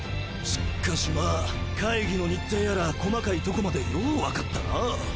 しっかしま会議の日程やら細かいとこまでよわかったな。